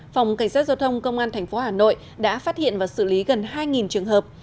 phòng cảnh sát giao thông công an tp hà nội đã phát hiện và xử lý gần hai trường hợp